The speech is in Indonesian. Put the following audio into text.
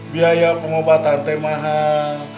biaya pengobatannya mahal